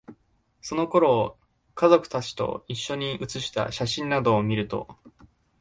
その頃の、家族達と一緒に写した写真などを見ると、